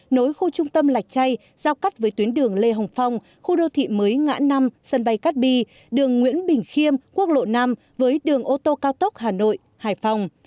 nối khu trung tâm lạch chay giao cắt với tuyến đường lê hồng phong khu đô thị mới ngã năm sân bay cát bi đường nguyễn bình khiêm quốc lộ năm với đường ô tô cao tốc hà nội hải phòng